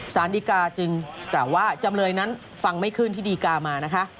สารดีกาจึงกล่าวว่าจำเลยนั้นฟังไม่ขึ้นที่ดีกามานะคะ